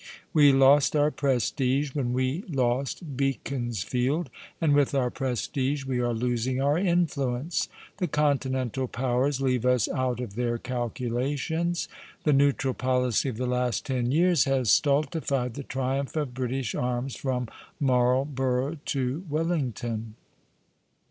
" We lost our prestige when we lost Beaconsfield, and with our prestige we are losing cur influence. The Continental powers leave us out of their calculations. The neutral policy of the last ten years has stultified the triumph of British arms from Marlborough to Wellington.